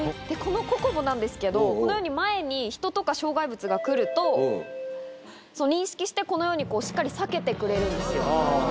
このｃｏｃｏｂｏなんですけどこのように前に人とか障害物が来ると認識してこのようにしっかり避けてくれるんですよ。